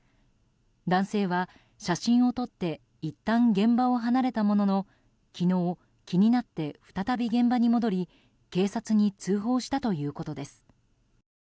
男性は写真を撮っていったん現場を離れたものの昨日、気になって再び現場に戻り警察に通報したということです。